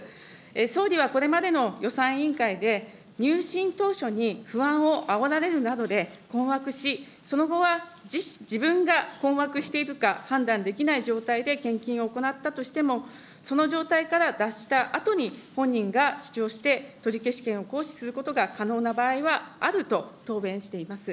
総理はこれまでの予算委員会で、入信当初に不安をあおられるなどで困惑し、その後は自分が困惑しているか判断できない状態で献金を行ったとしても、その状態から脱したあとに、本人が主張して取消権を行使することが可能な場合はあると答弁しています。